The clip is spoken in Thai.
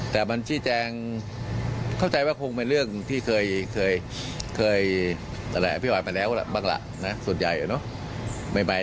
ตอนนี้ชี้แจงเข้าใจว่ามันเรื่องที่เคยแถวแผลบ๊ายแล้วว่าบ้างล่ะส่วนใหญ่เนอะ